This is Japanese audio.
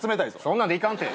そんなんで行かんて。